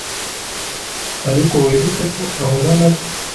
ariko wibuke ko uhura nabyo